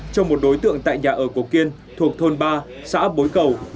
cho một đối tượng tại nhà ở cổ kiên thuộc thôn ba xã bối cầu